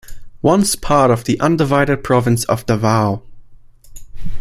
Once part of the undivided Province of Davao.